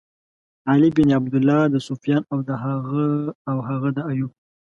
علی بن عبدالله، د سُفیان او هغه د ایوب.